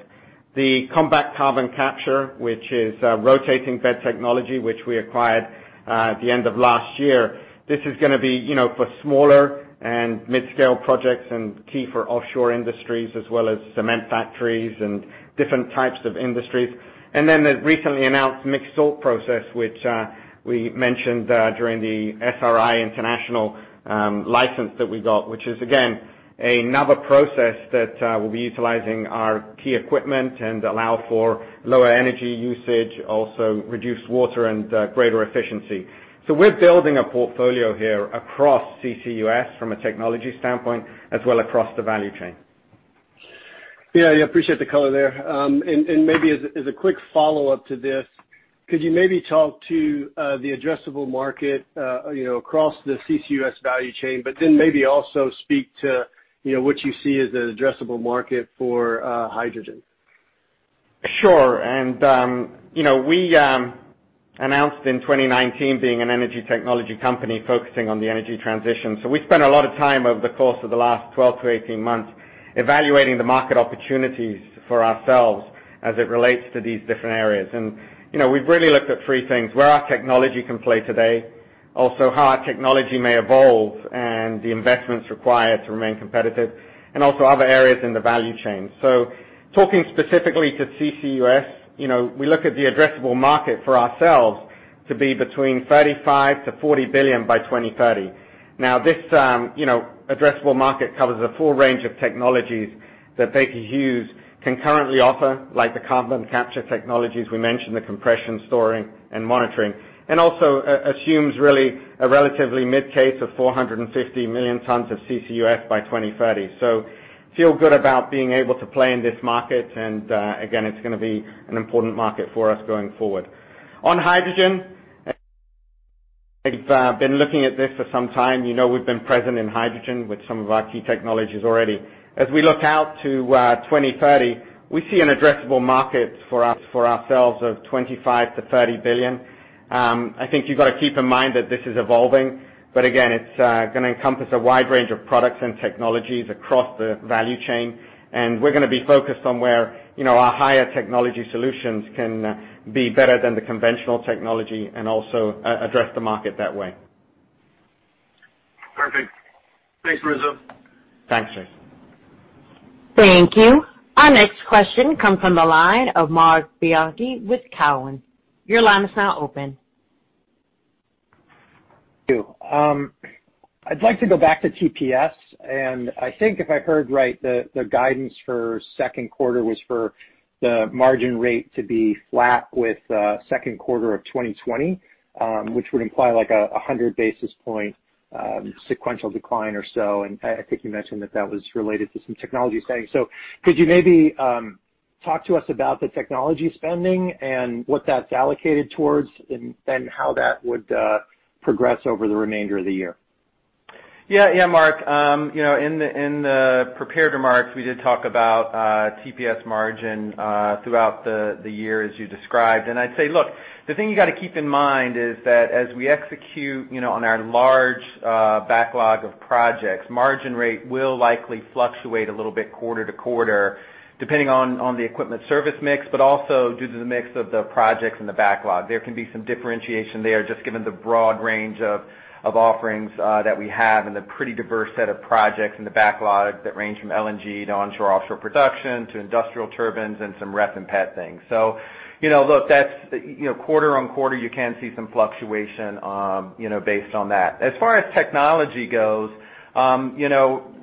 S3: The Compact Carbon Capture, which is rotating bed technology, which we acquired at the end of last year. This is going to be for smaller and mid-scale projects and key for offshore industries as well as cement factories and different types of industries. Then the recently announced Mixed-Salt Process, which we mentioned during the SRI International license that we got, which is again, another process that will be utilizing our key equipment and allow for lower energy usage, also reduced water and greater efficiency. We're building a portfolio here across CCUS from a technology standpoint, as well across the value chain.
S7: Yeah. I appreciate the color there. Maybe as a quick follow-up to this, could you maybe talk to the addressable market across the CCUS value chain, but then maybe also speak to what you see as an addressable market for hydrogen?
S3: Sure. We announced in 2019 being an energy technology company focusing on the energy transition. We spent a lot of time over the course of the last 12-18 months evaluating the market opportunities for ourselves as it relates to these different areas. We've really looked at three things, where our technology can play today, also how our technology may evolve and the investments required to remain competitive, and also other areas in the value chain. Talking specifically to CCUS, we look at the addressable market for ourselves to be between $35 billion-$40 billion by 2030. Now this addressable market covers a full range of technologies that Baker Hughes can currently offer, like the carbon capture technologies we mentioned, the compression, storing and monitoring, and also assumes really a relatively mid case of 450 million tons of CCUS by 2030. Feel good about being able to play in this market. Again, it's going to be an important market for us going forward. On hydrogen, we've been looking at this for some time. You know we've been present in hydrogen with some of our key technologies already. As we look out to 2030, we see an addressable market for ourselves of $25 billion-$30 billion. I think you've got to keep in mind that this is evolving, but again, it's going to encompass a wide range of products and technologies across the value chain, and we're going to be focused on where our higher technology solutions can be better than the conventional technology and also address the market that way.
S7: Perfect. Thanks, Lorenzo.
S3: Thanks, Chase.
S1: Thank you. Our next question comes from the line of Marc Bianchi with Cowen. Your line is now open.
S8: I'd like to go back to TPS. I think if I heard right, the guidance for second quarter was for the margin rate to be flat with second quarter of 2020, which would imply like a 100 basis point sequential decline or so. I think you mentioned that that was related to some technology spending. Could you maybe talk to us about the technology spending and what that's allocated towards and how that would progress over the remainder of the year?
S4: Yeah, Marc. In the prepared remarks, we did talk about TPS margin throughout the year as you described. I'd say, look, the thing you got to keep in mind is that as we execute on our large backlog of projects, margin rate will likely fluctuate a little bit quarter to quarter, depending on the equipment service mix, but also due to the mix of the projects in the backlog. There can be some differentiation there, just given the broad range of offerings that we have and the pretty diverse set of projects in the backlog that range from LNG to onshore, offshore production to industrial turbines and some ref and [petchem] things. Look, quarter on quarter, you can see some fluctuation based on that. As far as technology goes,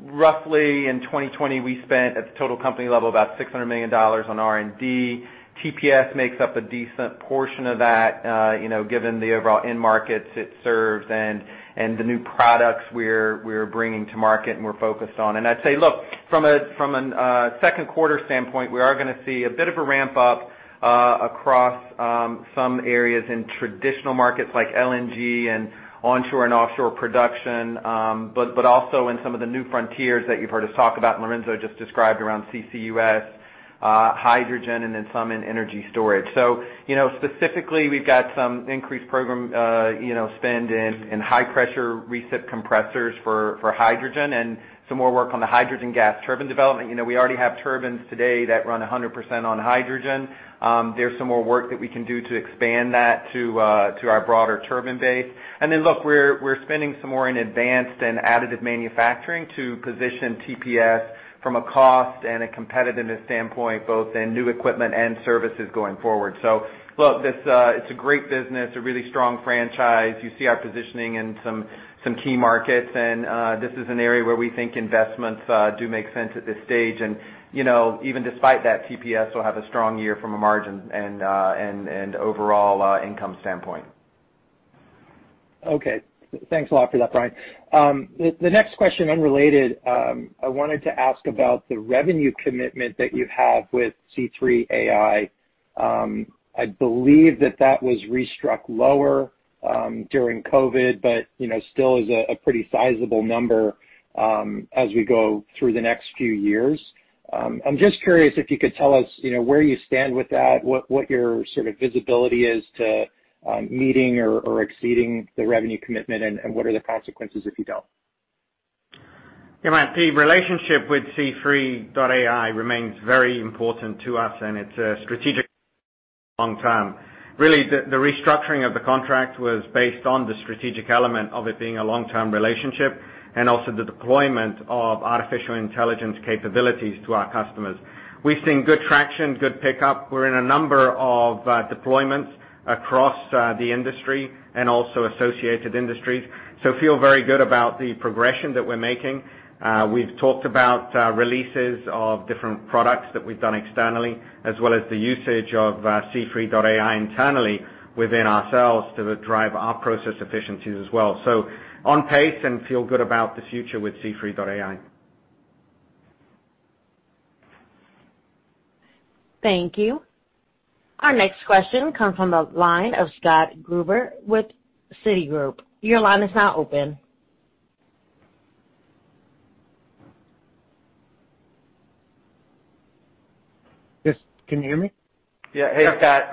S4: roughly in 2020, we spent at the total company level about $600 million on R&D. TPS makes up a decent portion of that given the overall end markets it serves and the new products we're bringing to market and we're focused on. I'd say, look, from a second quarter standpoint, we are going to see a bit of a ramp up across some areas in traditional markets like LNG and onshore and offshore production, but also in some of the new frontiers that you've heard us talk about, and Lorenzo just described around CCUS, hydrogen, and then some in energy storage. Specifically, we've got some increased program spend in high pressure reciprocating compressors for hydrogen and some more work on the hydrogen gas turbine development. We already have turbines today that run 100% on hydrogen. There's some more work that we can do to expand that to our broader turbine base. Look, we're spending some more in advanced and additive manufacturing to position TPS from a cost and a competitiveness standpoint, both in new equipment and services going forward. Look, it's a great business, a really strong franchise. You see our positioning in some key markets, and this is an area where we think investments do make sense at this stage. Even despite that, TPS will have a strong year from a margin and overall income standpoint.
S8: Okay. Thanks a lot for that, Brian Worrell. The next question, unrelated, I wanted to ask about the revenue commitment that you have with C3.ai. I believe that that was re-struck lower during COVID, but still is a pretty sizable number as we go through the next few years. I'm just curious if you could tell us where you stand with that, what your sort of visibility is to meeting or exceeding the revenue commitment, and what are the consequences if you don't?
S3: Marc, the relationship with C3.ai remains very important to us, and it's strategic long term. The restructuring of the contract was based on the strategic element of it being a long-term relationship and also the deployment of artificial intelligence capabilities to our customers. We've seen good traction, good pickup. We're in a number of deployments across the industry and also associated industries. Feel very good about the progression that we're making. We've talked about releases of different products that we've done externally, as well as the usage of C3.ai internally within ourselves to drive our process efficiencies as well. On pace and feel good about the future with C3.ai.
S1: Thank you. Our next question comes from the line of Scott Gruber with Citigroup. Your line is now open.
S9: Yes, can you hear me?
S3: Yeah. Hey, Scott.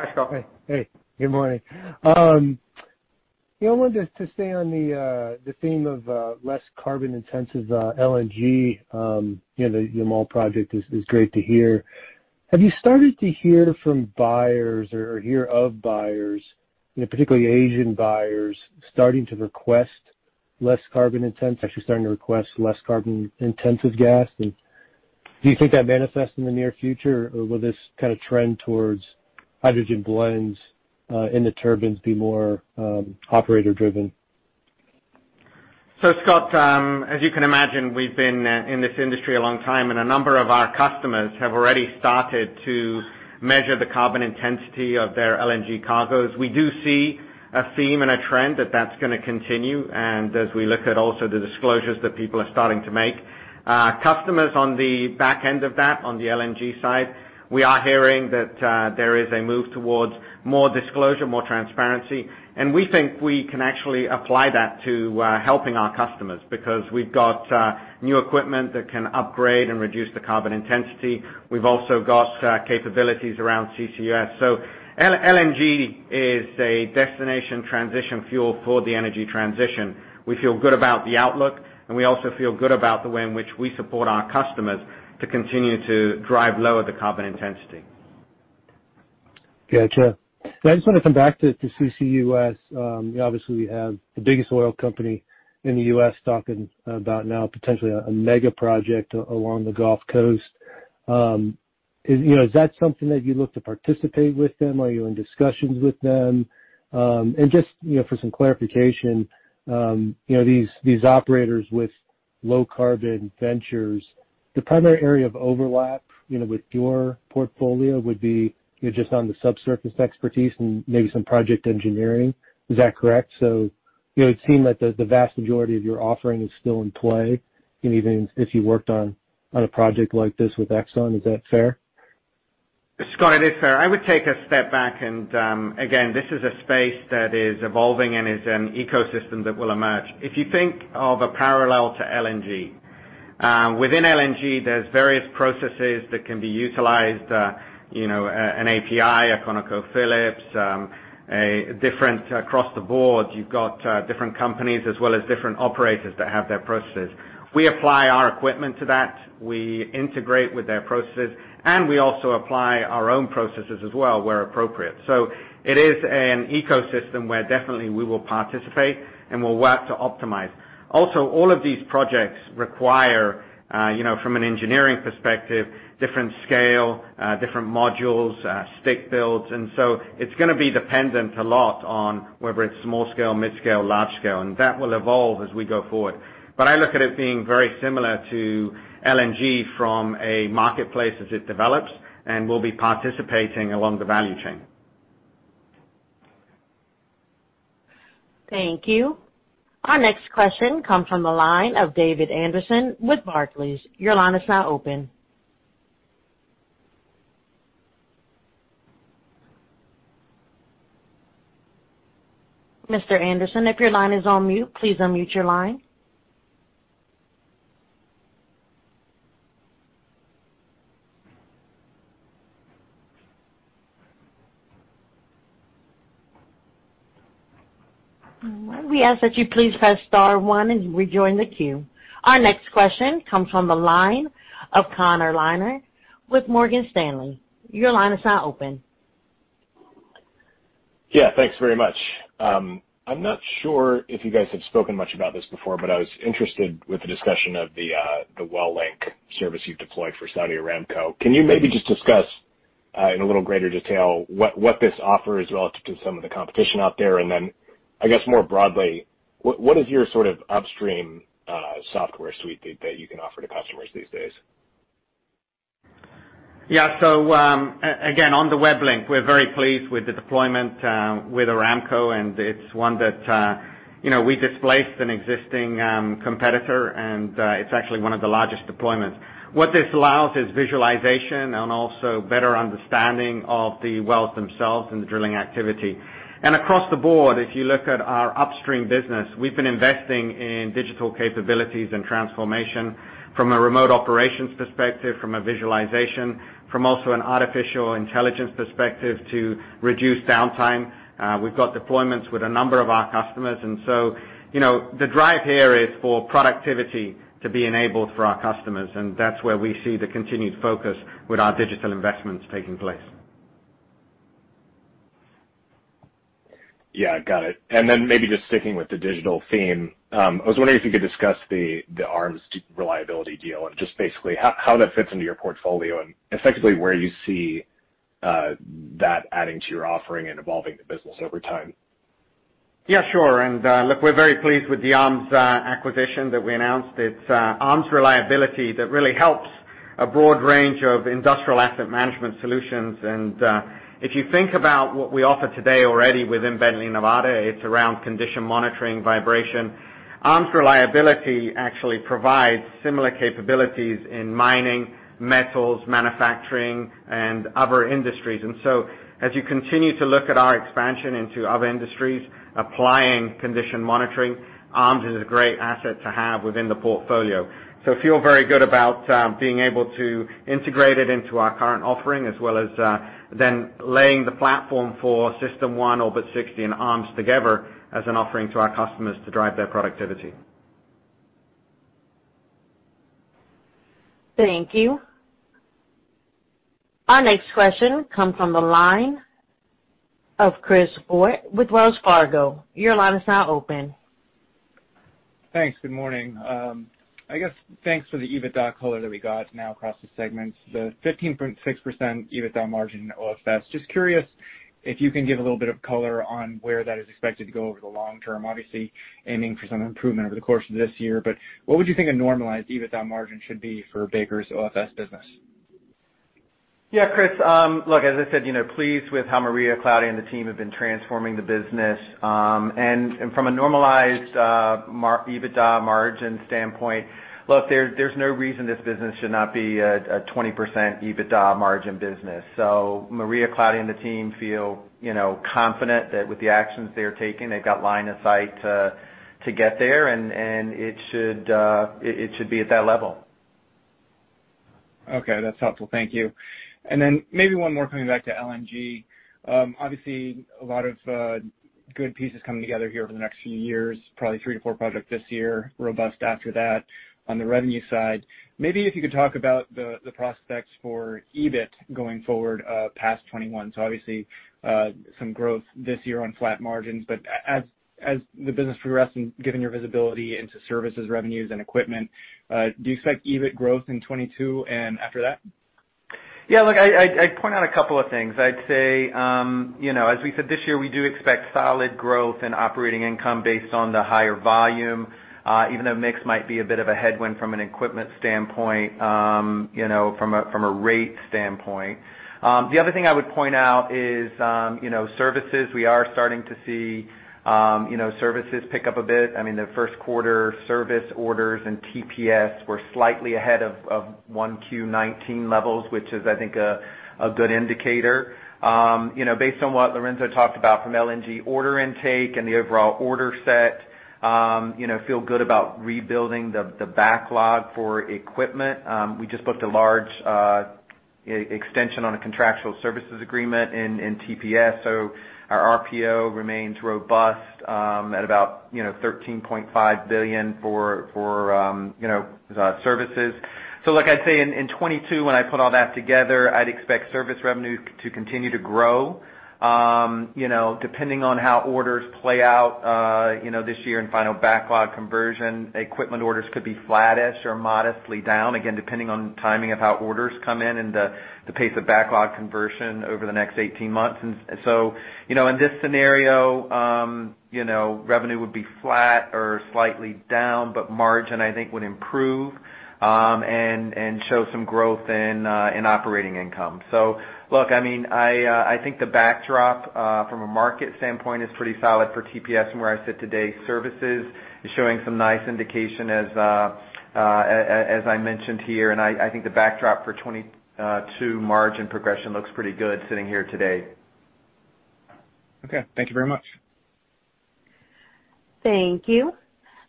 S9: Hey. Good morning. I wanted to stay on the theme of less carbon-intensive LNG. The Yamal project is great to hear. Have you started to hear from buyers or hear of buyers, particularly Asian buyers, starting to request less carbon-intensive gas? Do you think that manifests in the near future, or will this trend towards hydrogen blends in the turbines be more operator driven?
S3: Scott, as you can imagine, we've been in this industry a long time, and a number of our customers have already started to measure the carbon intensity of their LNG cargoes. We do see a theme and a trend that that's going to continue, and as we look at also the disclosures that people are starting to make. Customers on the back end of that, on the LNG side, we are hearing that there is a move towards more disclosure, more transparency, and we think we can actually apply that to helping our customers, because we've got new equipment that can upgrade and reduce the carbon intensity. We've also got capabilities around CCUS. LNG is a destination transition fuel for the energy transition. We feel good about the outlook, and we also feel good about the way in which we support our customers to continue to drive lower the carbon intensity.
S9: Gotcha. I just want to come back to CCUS. Obviously, we have the biggest oil company in the U.S. talking about now potentially a mega project along the Gulf Coast. Is that something that you'd look to participate with them? Are you in discussions with them? Just for some clarification, these operators with low carbon ventures, the primary area of overlap with your portfolio would be just on the subsurface expertise and maybe some project engineering. Is that correct? It would seem that the vast majority of your offering is still in play, even if you worked on a project like this with Exxon. Is that fair?
S3: Scott, it is fair. I would take a step back and, again, this is a space that is evolving and is an ecosystem that will emerge. If you think of a parallel to LNG. Within LNG, there's various processes that can be utilized, an APCI, a ConocoPhillips, different across the board. You've got different companies as well as different operators that have their processes. We apply our equipment to that, we integrate with their processes, and we also apply our own processes as well, where appropriate. It is an ecosystem where definitely we will participate, and we'll work to optimize. All of these projects require, from an engineering perspective, different scale, different modules, stick builds, and so it's going to be dependent a lot on whether it's small scale, mid scale, large scale, and that will evolve as we go forward. I look at it being very similar to LNG from a marketplace as it develops, and we'll be participating along the value chain.
S1: Thank you. Our next question comes from the line of David Anderson with Barclays. Your line is now open. Mr. Anderson, if your line is on mute, please unmute your line. We ask that you please press star one and rejoin the queue. Our next question comes from the line of Connor Lynagh with Morgan Stanley. Your line is now open.
S10: Yeah. Thanks very much. I'm not sure if you guys have spoken much about this before, but I was interested with the discussion of the WellLink service you've deployed for Saudi Aramco. Can you maybe just discuss in a little greater detail what this offers relative to some of the competition out there? I guess more broadly, what is your sort of upstream software suite that you can offer to customers these days?
S3: Again, on the WellLink, we're very pleased with the deployment with Aramco, and it's one that we displaced an existing competitor, and it's actually one of the largest deployments. What this allows is visualization and also better understanding of the wells themselves and the drilling activity. Across the board, if you look at our upstream business, we've been investing in digital capabilities and transformation from a remote operations perspective, from a visualization, from also an artificial intelligence perspective to reduce downtime. We've got deployments with a number of our customers, and so the drive here is for productivity to be enabled for our customers, and that's where we see the continued focus with our digital investments taking place.
S10: Yeah, got it. Then maybe just sticking with the digital theme, I was wondering if you could discuss the ARMS Reliability deal and just basically how that fits into your portfolio and effectively where you see that adding to your offering and evolving the business over time.
S3: Yeah, sure. Look, we're very pleased with the ARMS acquisition that we announced. It's ARMS Reliability that really helps. A broad range of industrial asset management solutions. If you think about what we offer today already within Bently Nevada, it's around condition monitoring vibration. ARMS Reliability actually provides similar capabilities in mining, metals, manufacturing, and other industries. As you continue to look at our expansion into other industries, applying condition monitoring, ARMS is a great asset to have within the portfolio. Feel very good about being able to integrate it into our current offering, as well as then laying the platform for System 1, Orbit 60, and ARMS together as an offering to our customers to drive their productivity.
S1: Thank you. Our next question comes from the line of Chris Voie with Wells Fargo. Your line is now open.
S11: Thanks. Good morning. I guess thanks for the EBITDA color that we got now across the segments. The 15.6% EBITDA margin in OFS. Just curious if you can give a little bit of color on where that is expected to go over the long term. Obviously aiming for some improvement over the course of this year, but what would you think a normalized EBITDA margin should be for Baker Hughes's OFS business?
S4: Chris. Look, as I said, pleased with how Maria Claudia and the team have been transforming the business. From a normalized EBITDA margin standpoint, look, there's no reason this business should not be a 20% EBITDA margin business. Maria Claudia and the team feel confident that with the actions they are taking, they've got line of sight to get there, and it should be at that level.
S11: Okay, that's helpful. Thank you. Then maybe one more coming back to LNG. Obviously a lot of good pieces coming together here over the next few years. Probably three to four projects this year, robust after that on the revenue side. Maybe if you could talk about the prospects for EBIT going forward past 2021. So obviously, some growth this year on flat margins, but as the business progresses and given your visibility into services revenues and equipment, do you expect EBIT growth in 2022 and after that?
S4: Yeah, look, I'd point out a couple of things. I'd say, as we said this year, we do expect solid growth in operating income based on the higher volume, even though mix might be a bit of a headwind from an equipment standpoint, from a rate standpoint. The other thing I would point out is services. We are starting to see services pick up a bit. I mean, the first quarter service orders in TPS were slightly ahead of 1Q 2019 levels, which is, I think, a good indicator. Based on what Lorenzo talked about from LNG order intake and the overall order set, feel good about rebuilding the backlog for equipment. We just booked a large extension on a contractual services agreement in TPS. Our RPO remains robust at about $13.5 billion for services. Look, I'd say in 2022, when I put all that together, I'd expect service revenue to continue to grow. Depending on how orders play out this year in final backlog conversion, equipment orders could be flattish or modestly down, again, depending on timing of how orders come in and the pace of backlog conversion over the next 18 months. In this scenario, revenue would be flat or slightly down, but margin, I think, would improve and show some growth in operating income. Look, I think the backdrop from a market standpoint is pretty solid for TPS from where I sit today. Services is showing some nice indication as I mentioned here, and I think the backdrop for 2022 margin progression looks pretty good sitting here today.
S11: Okay. Thank you very much.
S1: Thank you.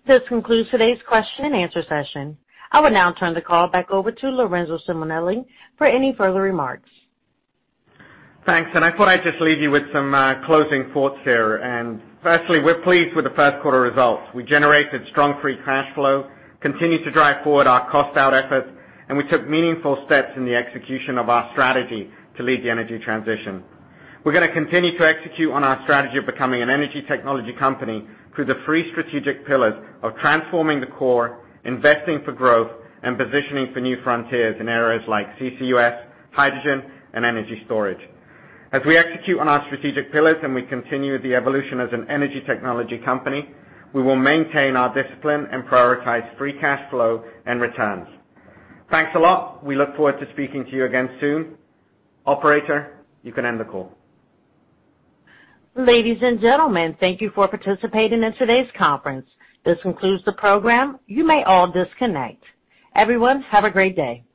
S1: This concludes today's question and answer session. I would now turn the call back over to Lorenzo Simonelli for any further remarks.
S3: Thanks, I thought I'd just leave you with some closing thoughts here. Firstly, we're pleased with the first quarter results. We generated strong free cash flow, continued to drive forward our cost-out efforts, and we took meaningful steps in the execution of our strategy to lead the energy transition. We're going to continue to execute on our strategy of becoming an energy technology company through the three strategic pillars of transforming the core, investing for growth, and positioning for new frontiers in areas like CCUS, hydrogen, and energy storage. As we execute on our strategic pillars and we continue the evolution as an energy technology company, we will maintain our discipline and prioritize free cash flow and returns. Thanks a lot. We look forward to speaking to you again soon. Operator, you can end the call.
S1: Ladies and gentlemen, thank you for participating in today's conference. This concludes the program. You may all disconnect. Everyone, have a great day.